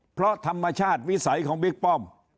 เพราะธรรมชาติวิสัยของบิ๊กป้อม